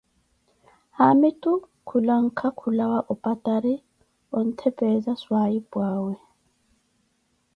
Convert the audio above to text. haamitu khulanka khulawa opatari ontthepeeza swaahipu awe.